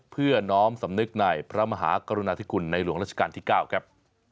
เพื่อน้อมสำนึกในพระมหากรุณาธิคุณในหลวงราชการที่๙ครับ